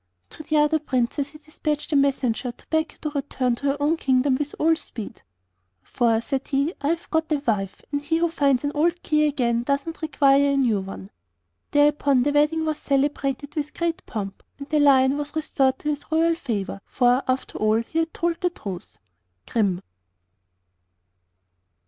To the other Princess he despatched a messenger to beg her to return to her own kingdom with all speed. 'For,' said he, 'I have got a wife, and he who finds an old key again does not require a new one.' Thereupon the wedding was celebrated with great pomp, and the Lion was restored to the royal favour, for after all he had told the truth. Grimm.